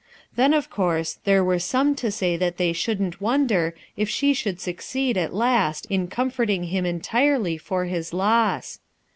Then, of course, there were some to say that they shouldn't wonder if she should succeed at last in comforting him entirely for his loss.